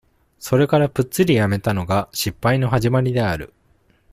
それからプッツリやめたのが、失敗の始まりである。